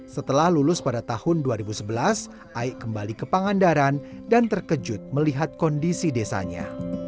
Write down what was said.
setelah lulus pada tahun dua ribu sebelas aik kembali ke pangandaran dan terkejut melihat kondisi desanya